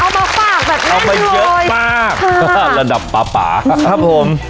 เอามาฝากแบบนั้นเลยเอามาเยอะป่าค่ะระดับป่าป่าครับผม